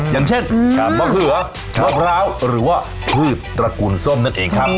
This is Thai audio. อย่างเช่นมะเขือมะพร้าวหรือว่าพืชตระกูลส้มนั่นเองครับ